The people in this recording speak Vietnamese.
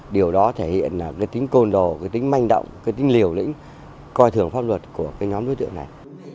điều đó thể hiện tính côn đồ tính manh động tính liều lĩnh coi thường pháp luật của nhóm đối tượng này